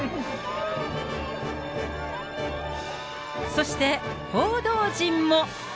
そして報道陣も。